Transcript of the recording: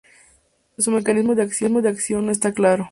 Su mecanismo de acción no está claro.